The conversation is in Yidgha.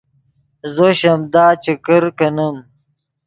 زو شیمدا چے کرکینیم